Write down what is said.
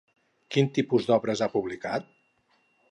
Quin tipus d'obres ha publicat?